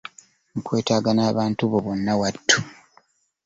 Nkwetaaga n'abantu bo bonna wattu.